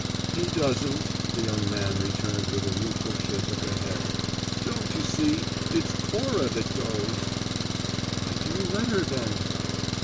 "He doesn't," the young man returned with a rueful shake of the head. "Don't you see? It's Cora that goes." "Why do you let her, then?"